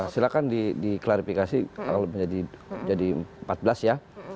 silahkan diklarifikasi kalau menjadi empat belas ya